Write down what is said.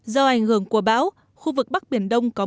do ảnh hưởng của bão khu vực bắc biển đông có